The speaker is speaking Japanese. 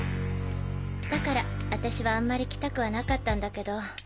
だから私はあんまり来たくはなかったんだけど。